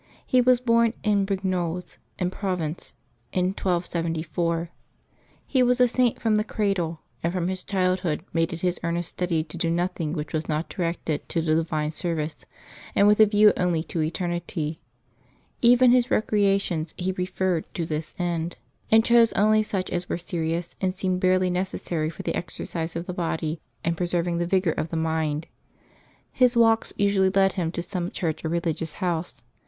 He was born at Brignoles, in Provence, in 1274. He was a Saint from the cradle, and from his child hood made it his earnest study to do nothing which was not directed to the divine service, and with a view only to eternity. Even his recreations he referred to this end, and chose only such as were serious and seemed barely necessary for the exercise of the body and preserving the vigor of the mind. His walks usually led him to some church or religious house.